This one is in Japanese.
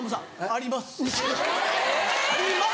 あります！